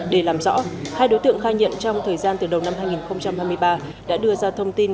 để làm rõ hai đối tượng khai nhận trong thời gian từ đầu năm hai nghìn hai mươi ba đã đưa ra thông tin